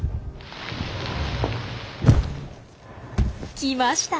来ました。